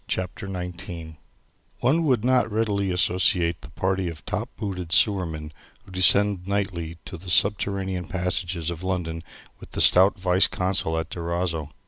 CHAPTER XIX One would not readily associate the party of top booted sewermen who descend nightly to the subterranean passages of London with the stout viceconsul at Durazzo.